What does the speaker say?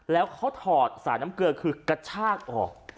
แล้วเขาถอดสายน้ำเกลือคือกระชากออก